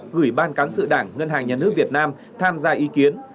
gửi ban cán sự đảng ngân hàng nhà nước việt nam tham gia ý kiến